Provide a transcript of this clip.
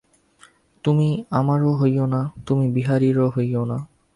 তুমি আমারও হইয়ো না, তুমি বিহারীরও হইয়ো না।